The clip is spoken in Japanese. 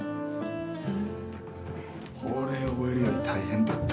法令覚えるより大変だったよ。